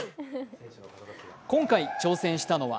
今回、挑戦したのは